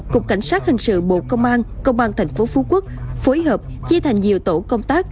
cục cảnh sát hình sự bộ công an công an tp phú quốc phối hợp chia thành nhiều tổ công tác